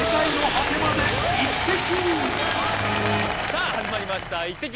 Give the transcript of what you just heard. さぁ始まりました